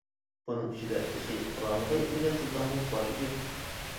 بۇنىڭ ئىچىدە تېخى قۇرامىغا يەتمىگەن قىزلارمۇ بار ئىدى.